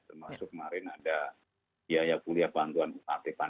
termasuk kemarin ada biaya kuliah bantuan